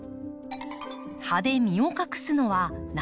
葉で身を隠すのは夏の間。